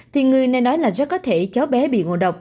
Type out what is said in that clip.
thì người này nói là rất có thể cháu bé bị ngộ độc